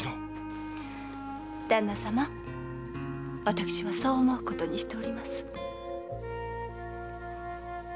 私はそう思うことにしております。